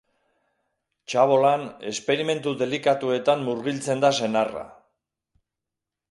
Txabolan, esperimentu delikatuetan murgiltzen da senarra.